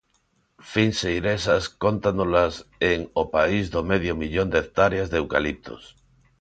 Fins Eirexas cóntanolas en 'O país do medio millón de hectáreas de eucaliptos'.